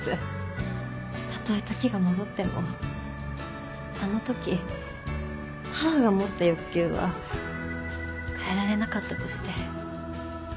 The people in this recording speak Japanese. たとえ時が戻ってもあのとき母が持った欲求は変えられなかったとして。